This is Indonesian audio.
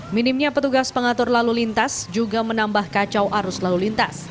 minimnya petugas pengatur lalu lintas juga menambah kacau arus lalu lintas